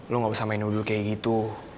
lo gak usah main nudul kaya gitu